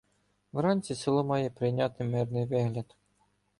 Вранці село має прийняти мирний вигляд.